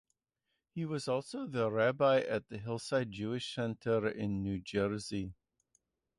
He was also the rabbi at the Hillside Jewish Center in New Jersey.